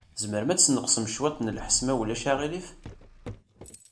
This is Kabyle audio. Tzemrem ad tesneqsem cwiṭ n lḥess, ma ulac aɣilif?